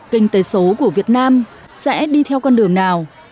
kinh tế số của việt nam sẽ đi theo con đường nào